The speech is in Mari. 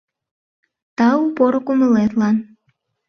«Тау поро кумылетлан!